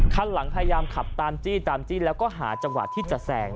คันหลังพยายามขับตามจี้ตามจี้แล้วก็หาจังหวะที่จะแซง